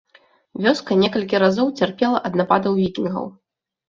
Вёска некалькі разоў цярпела ад нападаў вікінгаў.